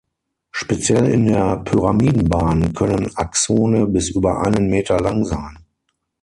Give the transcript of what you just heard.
Speziell in der Pyramidenbahn können Axone bis über einen Meter lang sein.